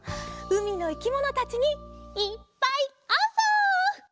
うみのいきものたちにいっぱいあうぞ！